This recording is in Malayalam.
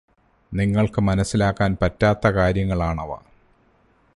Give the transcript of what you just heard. നിങ്ങള്ക്ക് മനസ്സിലാക്കാന് പറ്റാത്ത കാര്യങ്ങളാണവ